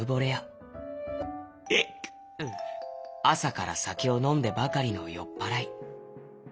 あさからさけをのんでばかりのよっぱらい。